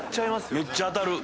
めっちゃ当たる。